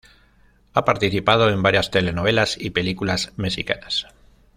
Ha participado en varias telenovelas y películas mexicanas.